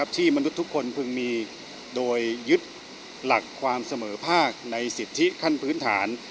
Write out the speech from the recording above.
มนุษย์ทุกคนพึงมีโดยยึดหลักความเสมอภาคในสิทธิขั้นพื้นฐาน